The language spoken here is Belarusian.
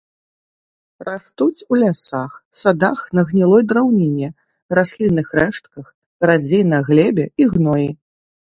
Растуць у лясах, садах на гнілой драўніне, раслінных рэштках, радзей на глебе і гноі.